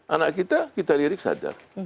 anak kita kita lirik sadar